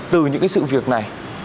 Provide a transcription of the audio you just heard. từ những sự việc này